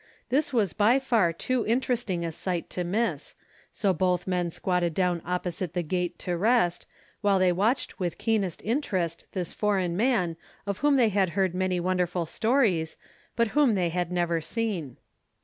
This was by far too interesting a sight to miss, so both men squatted down opposite the gate to rest while they watched with keenest interest this foreign man of whom they had heard many wonderful stories, but whom they had never seen.